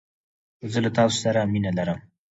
زه له تاسو سره مينه لرم